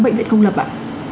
bệnh viện công lập ạ